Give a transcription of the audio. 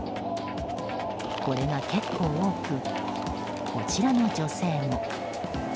これが結構多くこちらの女性も。